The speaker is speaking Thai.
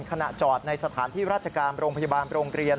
ขณะจอดในสถานที่ราชการโรงพยาบาลโรงเรียน